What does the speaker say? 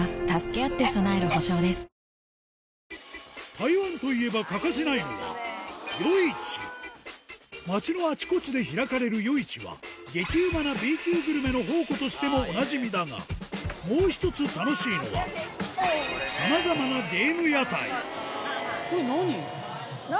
台湾といえば欠かせないのが街のあちこちで開かれる夜市は激うまなＢ級グルメの宝庫としてもおなじみだがもう一つ楽しいのはさまざまな何？